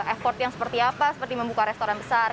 effort yang seperti apa seperti membuka restoran besar